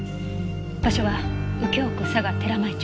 場所は右京区嵯峨寺前町。